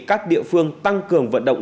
các địa phương tăng cường vận động